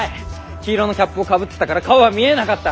黄色のキャップをかぶってたから顔は見えなかった。